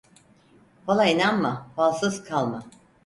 Fala inanma, falsız kalma.